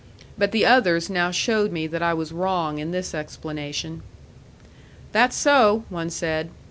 But the others now showed me that I was wrong in this explanation. "That's so," one said.